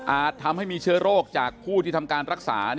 ทำให้มีเชื้อโรคจากผู้ที่ทำการรักษา